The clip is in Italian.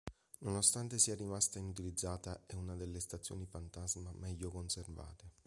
Nonostante sia rimasta inutilizzata, è una delle stazioni fantasma meglio conservate.